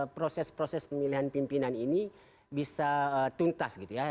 proses proses pemilihan pimpinan ini bisa tuntas gitu ya